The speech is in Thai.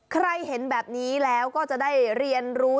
ใครเห็นแบบนี้แล้วก็จะได้เรียนรู้